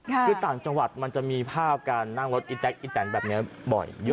คือต่างจังหวัดมันจะมีภาพการนั่งรถอีแต๊กอีแตนแบบนี้บ่อยเยอะ